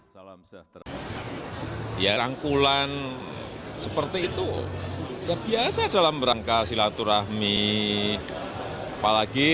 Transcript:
salam sejahtera ya rangkulan seperti itu biasa dalam rangka silaturahmi apalagi